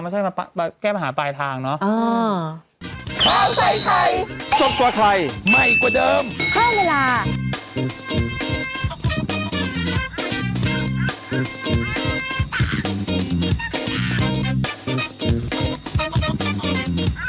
ไม่ใช่แก้มหาปลายทางเนอะ